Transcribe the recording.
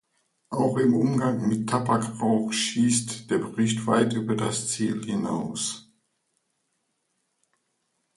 Auch im Umgang mit Tabakrauch schießt der Bericht weit über das Ziel hinaus.